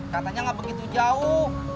katanya nggak begitu jauh